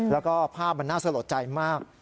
แล้วก็ภาพมันน่าสะหรับใจมาก